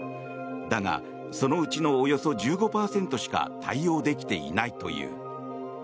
だが、そのうちのおよそ１５％しか対応できていないという。